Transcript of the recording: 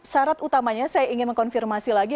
syarat utamanya saya ingin mengkonfirmasi lagi